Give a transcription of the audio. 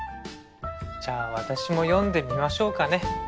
じゃあ私も読んでみましょうかね。